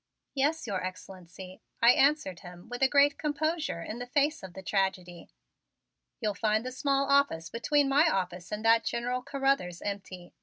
"Yes, Your Excellency," I answered him with a great composure in the face of the tragedy. "You'll find the small office between my office and that of General Carruthers empty.